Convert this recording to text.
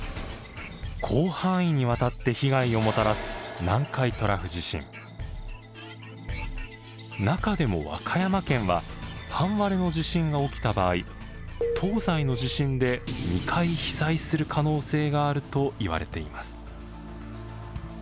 広範囲にわたって被害をもたらす中でも和歌山県は半割れの地震が起きた場合東西の地震で２回被災する可能性があるといわれています。